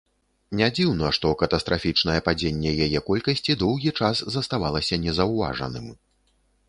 Нядзіўна, што катастрафічнае падзенне яе колькасці доўгі час заставалася незаўважаным.